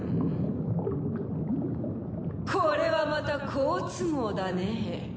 これはまた好都合だね。